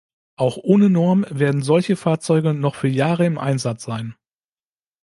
Auch ohne Norm werden solche Fahrzeuge noch für Jahre im Einsatz sein.